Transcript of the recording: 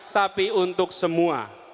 tapi untuk semua